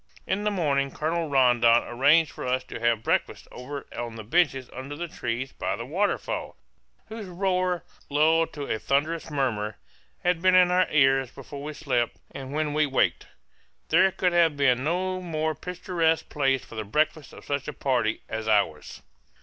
In the morning Colonel Rondon arranged for us to have breakfast over on the benches under the trees by the waterfall, whose roar, lulled to a thunderous murmur, had been in our ears before we slept and when we waked. There could have been no more picturesque place for the breakfast of such a party as ours.